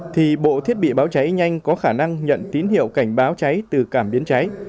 thì bộ thiết bị báo cháy nhanh có khả năng nhận tín hiệu cảnh báo cháy từ cảm biến cháy